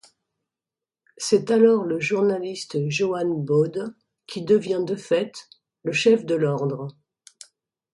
C'est alors le journaliste Johann Bode qui devient de fait le chef de l'ordre.